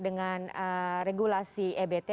dengan regulasi ebt